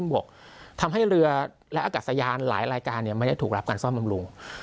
บอกทำให้เรือและอากาศยานหลายรายการใหม่จะถูกรับมามรุง